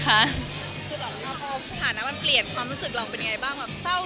เศร้าเสียใจบ้างบ้าง